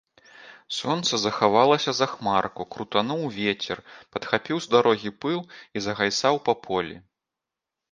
Сонца захавалася за хмарку, крутануў вецер, падхапіў з дарогі пыл і загайсаў па полі.